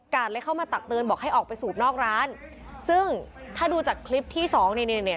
เลยเข้ามาตักเตือนบอกให้ออกไปสูบนอกร้านซึ่งถ้าดูจากคลิปที่สองนี่เนี่ย